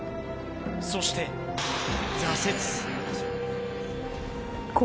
そして挫折。